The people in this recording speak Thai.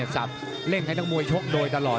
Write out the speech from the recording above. ซับเล่นให้ทั้งมวยโชคโดยตลอด